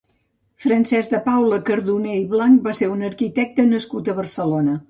Francesc de Paula Cardoner i Blanch va ser un arquitecte nascut a Barcelona.